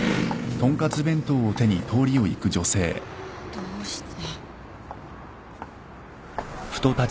どうして。